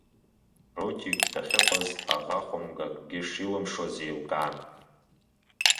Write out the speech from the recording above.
Рудик дахьыҟаз аӷа хәымга акгьы шилымшоз еилкаан.